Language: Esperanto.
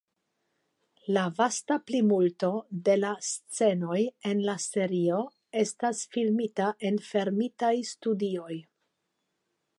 La vasta plimulto de la scenoj en la serio estas filmita en fermitaj studioj.